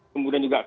kemudian juga kepala